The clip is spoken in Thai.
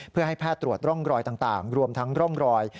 เพื่อให้แพทย์ตรวจร่องรอยต่างรวมทั้งร่องรอย